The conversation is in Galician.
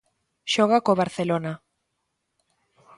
Xoga co Barcelona.